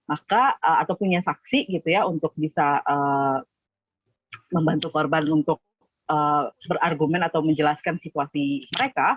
atau punya saksi untuk bisa membantu korban untuk berargumen atau menjelaskan situasi mereka